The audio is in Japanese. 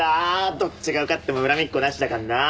どっちが受かっても恨みっこなしだからな。